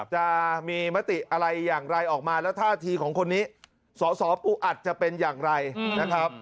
จะมีมติอะไรอย่างไรออกมาแล้วท่าทีของคนนี้สสปูอัดจะเป็นอย่างไรนะครับ